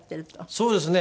そうですね。